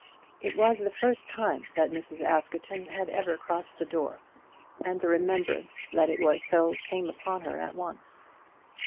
It was the first time that Mrs. Askerton had ever crossed the door, and the remembrance that it was so came upon her at once.